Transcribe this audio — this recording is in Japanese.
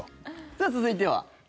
さあ、続いては。